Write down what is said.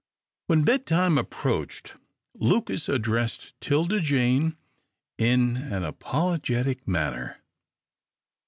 When bedtime approached, Lucas addressed 'Tilda Jane in an apologetic manner.